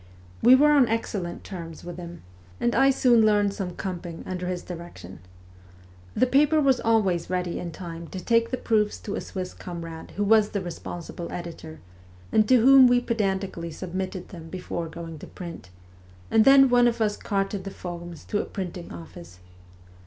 We were on excellent terms with him, and I soon learned some ' comping ' under his direction. The paper was always ready in time to take the proofs to a Swiss comrade who was the responsible editor, and to whom we pedantically submitted them before going to print, and then one of us carted the formes to a printing office.